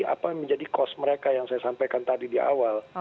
apa yang menjadi cost mereka yang saya sampaikan tadi di awal